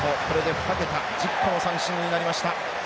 これでふた桁１０個の三振になりました。